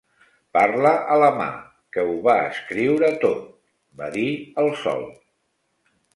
"Parla a la mà que ho va escriure tot", va dir el sol.